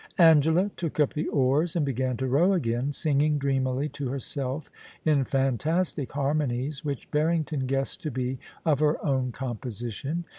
Angela took up the oars and began to row again, singing dreamily to herself in fantastic harmonies, which Barrington guessed to be of her own composition.